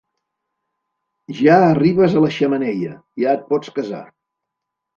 Ja arribes a la xemeneia, ja et pots casar.